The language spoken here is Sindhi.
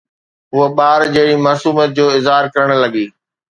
هوءَ ٻار جهڙي معصوميت جو اظهار ڪرڻ لڳي